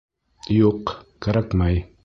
— Юҡ, кәрәкмәй.